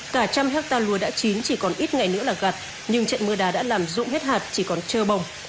cả trăm hecta lúa đã chín chỉ còn ít ngày nữa là gặt nhưng trận mưa đá đã làm dụng hết hạt chỉ còn trơ bồng